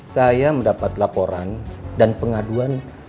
saya mendapat laporan dan pengaduan